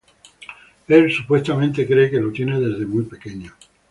Él, supuestamente, cree que lo tiene desde muy pequeño.